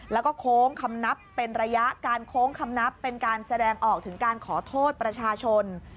แล้วก็โค้งคำนับเป็นระยะการโค้งคำนับเป็นการแสดงออกถึงการขอโทษประชาชน